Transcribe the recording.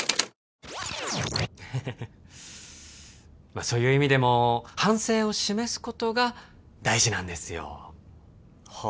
ヘヘヘそういう意味でも反省を示すことが大事なんですよは